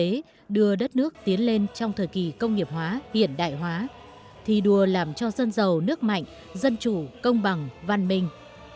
kinh tế đưa đất nước tiến lên trong thời kỳ công nghiệp hóa hiện đại hóa thi đua làm cho dân giàu nước mạnh dân chủ công bằng văn minh